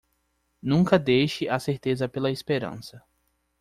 Nunca deixe a certeza pela esperança